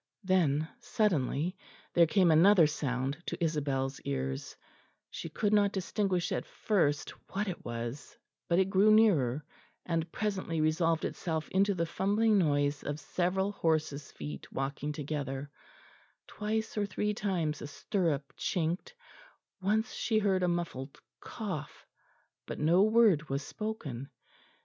Then suddenly there came another sound to Isabel's ears; she could not distinguish at first what it was, but it grew nearer, and presently resolved itself into the fumbling noise of several horses' feet walking together, twice or three times a stirrup chinked, once she heard a muffled cough; but no word was spoken.